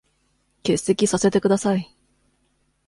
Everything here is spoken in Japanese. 欠席させて下さい。